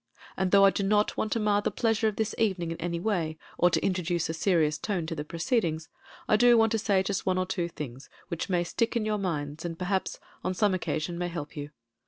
And though I do not want to mar the pleasure of this evening in any way or to introduce a serious tone to the proceedings, I do want to say just one or two things which may stick in your minds and, perhaps, on some occasion may help you.